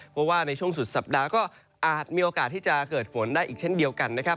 เพราะว่าในช่วงสุดสัปดาห์ก็อาจมีโอกาสที่จะเกิดฝนได้อีกเช่นเดียวกันนะครับ